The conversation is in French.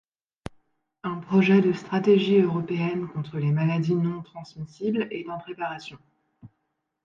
Un projet de Stratégie européenne contre les maladies non-transmissibles est en préparation.